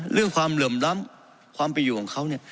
เรื่องความเหลื่อมร้ำความประหยุดของเขา